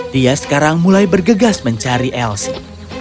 dia sekarang mulai bergegas mencari elsi